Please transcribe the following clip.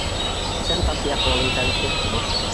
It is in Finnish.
Sen takiako olin käynyt nukkumaan?